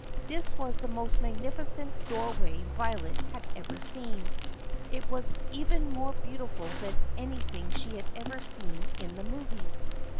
This was the most magnificent door way Violet had ever seen. It was even more beautiful than anything she had ever seen in the movies.